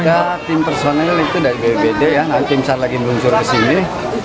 kita tim personel itu dari bpbd tim sar lagi muncul ke sini